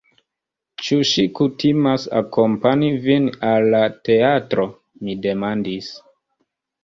Ĉu ŝi kutimas akompani vin al la teatro? mi demandis.